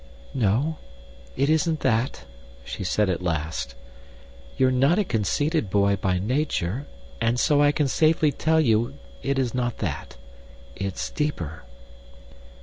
"No it isn't that," she said at last. "You're not a conceited boy by nature, and so I can safely tell you it is not that. It's deeper."